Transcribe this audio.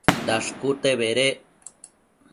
Dashcute bedec